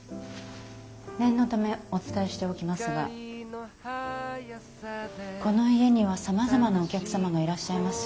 念のためお伝えしておきますがこの家にはさまざまなお客様がいらっしゃいます。